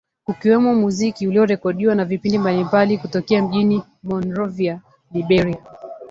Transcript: Kukiwemo muziki uliorekodiwa na vipindi mbalimbali kutokea mjini Monrovia, Liberia